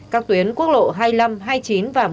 các tuyến quốc lộ hai mươi năm hai mươi chín và